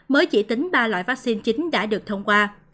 mới chỉ tính ba loại vaccine chính đã được thông qua